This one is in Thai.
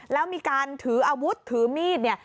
แล้วมีการถืออาวุธถือมีดเนี่ย